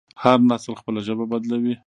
هر نسل خپله ژبه بدلوي.